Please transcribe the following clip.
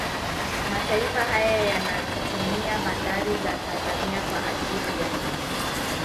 Mataifa haya yanazitumia bandari za Tanzania kwa ajili ya